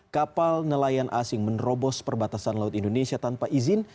kapal nelayan asing menerobos perbatasan laut indonesia tanpa izin